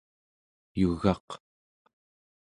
yugaq